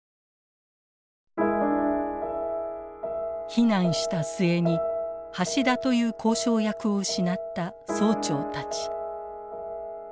非難した末に橋田という交渉役を失った総長たち。